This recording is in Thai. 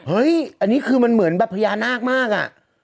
เฮ้ยอันนี้คือมันเหมือนเผยานาฆจรรย์มากอ่ะ